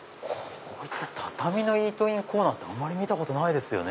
畳のイートインコーナーってあんまり見たことないですよね。